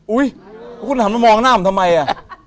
อุ้ยคุณถามมามองหน้าผมทำไมอะ